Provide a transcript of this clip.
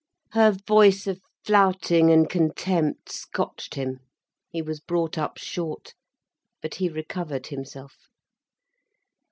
Her voice of flouting and contempt scotched him. He was brought up short. But he recovered himself.